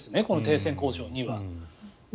この停戦交渉には。